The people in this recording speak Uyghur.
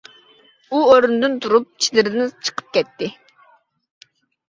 ئۇ ئورنىدىن تۇرۇپ، چېدىردىن چىقىپ كەتتى.